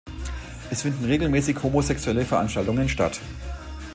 Es finden regelmäßig homosexuelle Veranstaltungen statt.